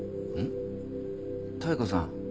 妙子さん